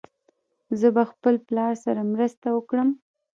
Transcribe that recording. زه به خپل پلار سره مرسته وکړم.